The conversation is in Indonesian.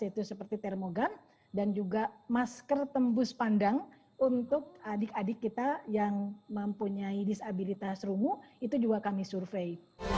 yaitu seperti termogan dan juga masker tembus pandang untuk adik adik kita yang mempunyai disabilitas rungu itu juga kami survei